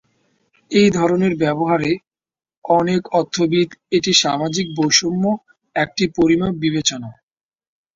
এই ধরনের ব্যবহারে, অনেক অর্থনীতিবিদ এটি সামাজিক বৈষম্য একটি পরিমাপ বিবেচনা।